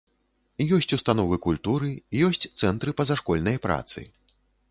Ёсць установы культуры, ёсць цэнтры пазашкольнай працы.